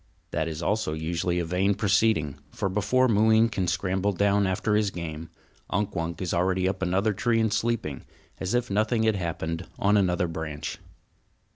That also is usually a vain proceeding; for before Mooween can scramble down after his game, Unk Wunk is already up another tree and sleeping, as if nothing had happened, on another branch.